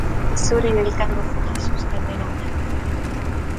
Su antecesor en el cargo fue Jesús Cardenal.